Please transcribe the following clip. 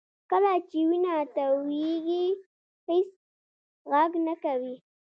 کله چې وینه تویېږي هېڅ غږ نه کوي